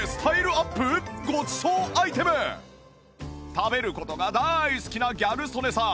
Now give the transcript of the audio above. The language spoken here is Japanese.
食べる事が大好きなギャル曽根さん